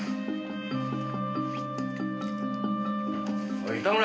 おい糸村！